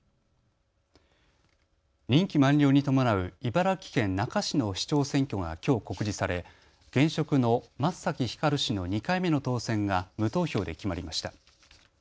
任期満了に伴う茨城県那珂市の市長選挙がきょう告示され現職の先崎光氏の２回目の当選が無投票で決まりました。